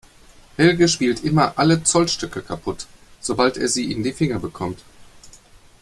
Helge spielt immer alle Zollstöcke kaputt, sobald er sie in die Finger bekommt.